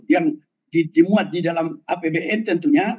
yang dijemuat di dalam apbn tentunya